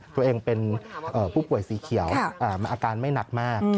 ตัวเองเป็นผู้ป่วยสีเขียวอาการไม่หนักมาก